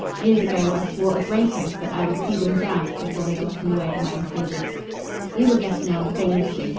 Years ago I swore a great oath that I would see them damned before they got in the way of my intelligence. We were getting on famously.